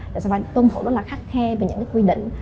nó sẽ phải tuân thủ rất khắc khe về những quy định